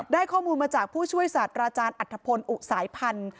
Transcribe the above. ข้อมูลมาจากผู้ช่วยศาสตราจารย์อัฐพลอุสายพันธุ์